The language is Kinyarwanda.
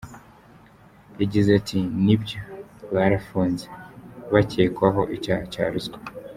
Yagize ati "Ni byo barafunze, bakekwaho icyaha cya ruswa.